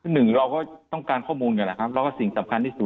หนึ่งเราก็ต้องการข้อมูลกันแหละครับแล้วก็สิ่งสำคัญที่สุด